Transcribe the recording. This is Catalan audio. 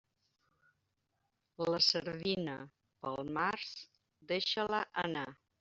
La sardina, pel març, deixa-la anar.